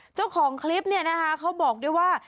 เจ้าของคลิปเขาบอกด้วยว่า